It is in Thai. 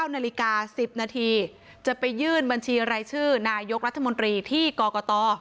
๙นาฬิกา๑๐นาทีจะไปยื่นบัญชีรายชื่อนายกรัฐมนตรีที่กรกต